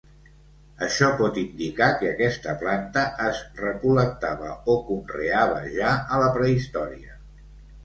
Això pot indicar que aquesta planta es recol·lectava o conreava ja a la prehistòria.